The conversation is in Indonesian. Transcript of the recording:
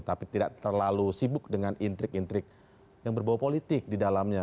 tapi tidak terlalu sibuk dengan intrik intrik yang berbau politik di dalamnya